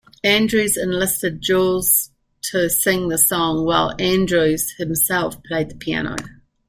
Andrews enlisted Jules to sing the song, while Andrews himself played the piano.